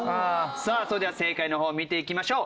さあそれでは正解のほう見ていきましょう。